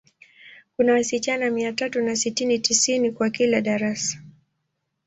Kuna wasichana mia tatu na sitini, tisini kwa kila darasa.